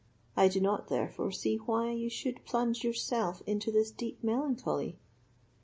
I do not, therefore, see why you should plunge yourself into this deep melancholy."